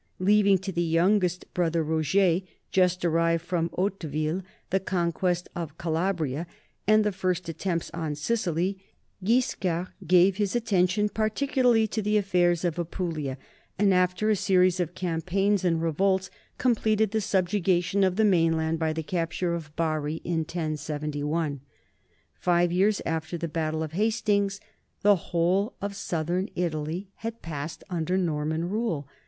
Leaving to the youngest brother Roger, just arrived from Haute ville, the conquest of Calabria and the first attempts on Sicily, Guiscard gave his attention particularly to the affairs of Apulia, and after a series of campaigns and revolts completed the subjugation of the mainland by the capture of Bari in 1071. Five years after the battle of Hastings the whole of southern Italy had passed un der Norman rule.